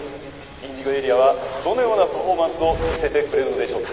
ＩｎｄｉｇｏＡＲＥＡはどのようなパフォーマンスを見せてくれるのでしょうか。